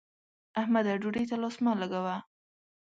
احمده! ډوډۍ ته لاس مه لګوه.